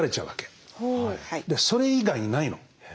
それ以外にないの。